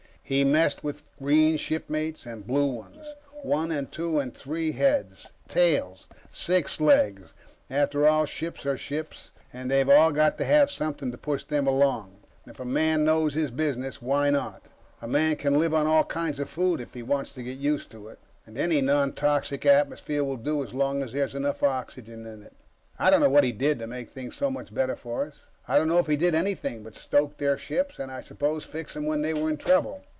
He messed with green shipmates and blue ones. One and two and three heads, tails, six legs after all, ships are ships and they've all got to have something to push them along. If a man knows his business, why not? A man can live on all kinds of food, if he wants to get used to it. And any nontoxic atmosphere will do, as long as there's enough oxygen in it. I don't know what he did, to make things so much better for us. I don't know if he did anything, but stoke their ships and, I suppose, fix them when they were in trouble.